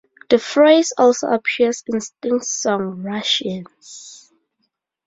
The phrase also appears in Sting's song "Russians".